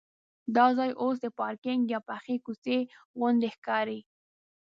دا ځای اوس د پارکینک یا پخې کوڅې غوندې ښکاري.